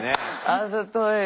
あざとい。